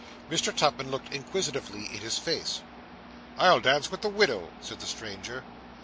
Mr. Tupman looked inquisitively in his face. 'I'll dance with the widow,' said the stranger.